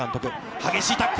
激しいタックル。